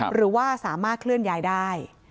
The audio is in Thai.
หรือว่าสามารถเคลื่อนย้ายได้